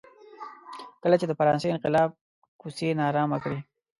کله چې د فرانسې انقلاب کوڅې نا ارامه کړې.